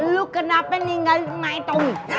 lu kenapa ninggalin mamah tommy